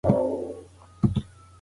ایا دا قلم ستا دی که د بل چا؟